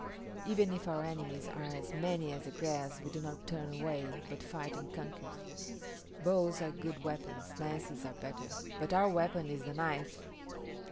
Even if our enemies are as many as the grass we do not turn away, but fight and conquer. Bows are good weapons, lances are better; but our weapon is the knife."